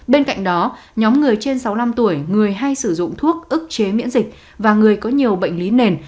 bên cạnh đó nhóm người trên sáu mươi năm tuổi người hay sử dụng thuốc ức chế miễn dịch và người có nhiều bệnh lý nền